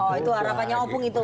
oh itu harapannya opung itu